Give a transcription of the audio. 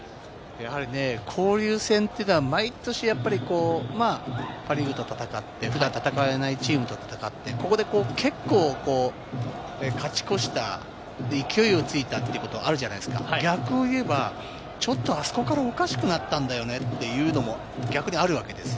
やはり交流戦というのは毎年やっぱり、パ・リーグと戦って、普段戦えないチームと戦って、ここで結構、勝ち越した勢いがついたってことがあるじゃないですか、逆を言えば、ちょっとあそこからおかしくなったんだよねというのもあるわけですよ。